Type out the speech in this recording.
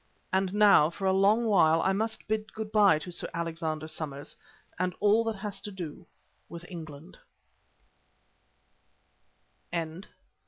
And now for a long while I must bid good bye to Sir Alexander Somers and all that has to do with England.